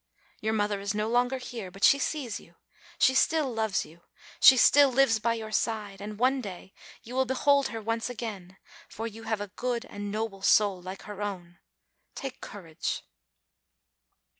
Your mother is no longer here; but she sees you, she still loves you, she still lives by your side, and one day you will behold her once again, for you have a good and noble soul like her own. Take courage